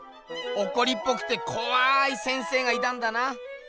おこりっぽくてこわい先生がいたんだな。